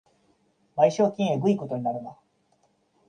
賠償金えぐいことになるな